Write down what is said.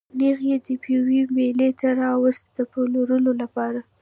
نېغ یې د پېوې مېلې ته راوست د پلورلو لپاره.